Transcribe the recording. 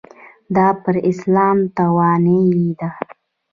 دا پر اسلام توانایۍ ده.